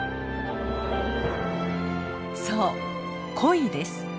そうコイです。